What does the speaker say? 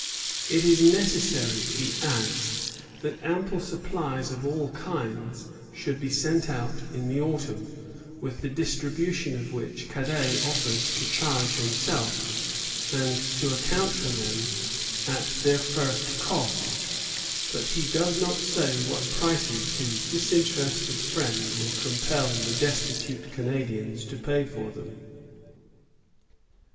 It is necessary, he adds, that ample supplies of all kinds should be sent out in the autumn, with the distribution of which Cadet offers to charge himself, and to account for them at their first cost; but he does not say what prices his disinterested friend will compel the destitute Canadians to pay for them. Vaudreuil au Ministre, 28 Mai, 1759.